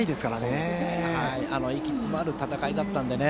息詰まる戦いだったのでね。